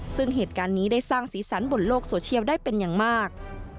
ซึ่งเหตุการณ์นี้ได้สร้างสีสันบนโลกโซเชียลได้เป็นอย่างมาก